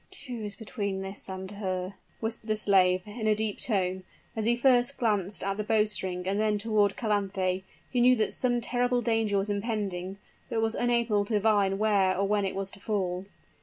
"Choose between this and her," whispered the slave, in a deep tone, as he first glanced at the bowstring and then looked toward Calanthe, who knew that some terrible danger was impending, but was unable to divine where or when it was to fall.